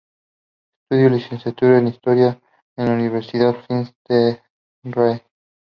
Estudió Licenciatura en Historia en la Universidad Finis Terrae.